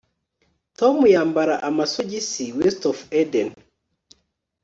Tom yambara amasogisi WestofEden